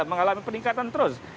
mengalami peningkatan terus